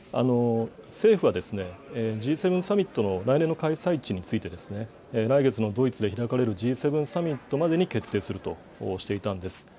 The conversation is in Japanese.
政府は、Ｇ７サミットの来年の開催地についてですね、来月のドイツで開かれるＧ７サミットまでに決定するとしていたんです。